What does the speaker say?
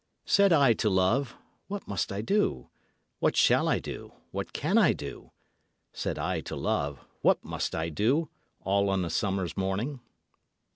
Said I to Love: "What must I do? What shall I do? what can I do?" Said I to Love: "What must I do? All on a summer's morning."